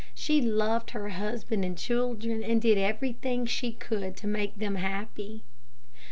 She loved her husband and children, and did everything she could to make them happy.